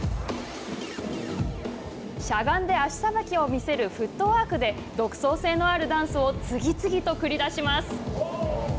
しゃがんで足さばきを見せるフットワークで独創性のあるダンスを次々に繰り出します。